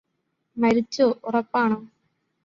മരിച്ചോ ഉറപ്പാണോ